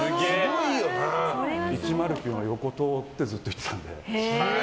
１０９の横を通ってずっと行ってたので。